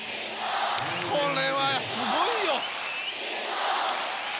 これはすごいよ。